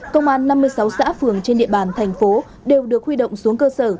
công an năm mươi sáu xã phường trên địa bàn thành phố đều được huy động xuống cơ sở